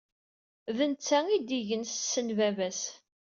D netta ay d-igensesen baba-s.